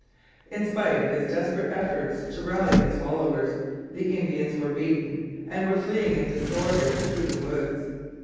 In spite of his desperate efforts to rally his followers, the Indians were beaten and were fleeing in disorder through the woods.